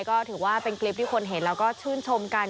ก็ถือว่าเป็นคลิปที่คนเห็นแล้วก็ชื่นชมกัน